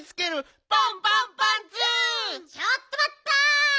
ちょっとまった！